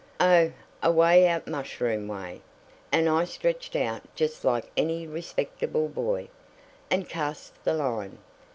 "Oh, away out Mushroom way. And I stretched out just like any respectable boy, and cast the line!